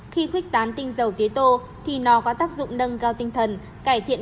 khi khuyết tán tinh dầu tế tô thì nó có tác dụng nâng cao tinh thần